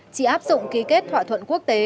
chỉ áp dụng ký kết thỏa thuận quốc tế